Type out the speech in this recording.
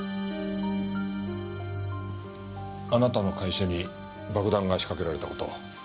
あなたの会社に爆弾が仕掛けられた事